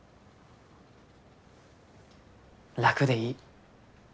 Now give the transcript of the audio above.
楽でいい。